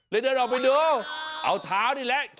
เดินออกไปดูเอาเท้านี่แหละ